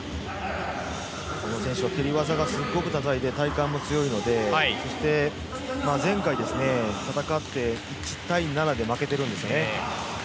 この選手は蹴り技が高くて体幹も強くて前回戦って１対７で負けてるんですね。